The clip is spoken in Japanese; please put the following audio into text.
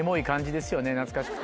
懐かしくて。